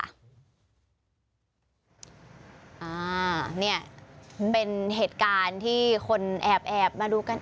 อ่าเนี่ยเป็นเหตุการณ์ที่คนแอบแอบมาดูกัน